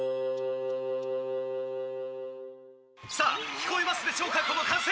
「聞こえますでしょうかこの歓声！